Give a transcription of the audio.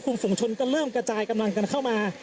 กลุ่มฝุงชนก็เริ่มกระจายกำลังกันเข้ามา